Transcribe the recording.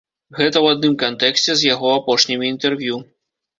Гэта ў адным кантэксце з яго апошнімі інтэрв'ю.